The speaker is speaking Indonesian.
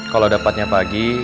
kalau dapetnya pagi